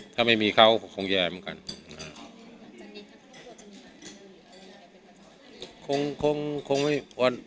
ถ้าไม่มีเขาก็คงแย่เหมือนกัน